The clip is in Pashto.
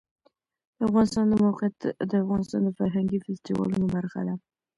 د افغانستان د موقعیت د افغانستان د فرهنګي فستیوالونو برخه ده.